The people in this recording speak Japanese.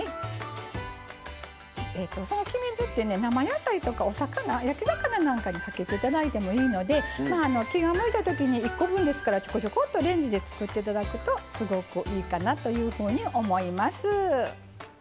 黄身酢って生野菜などにかけていただいてもいいので、気が向いたときに１個分ですからちょこちょこっとレンジで作っていただくといいかなというふうに思います。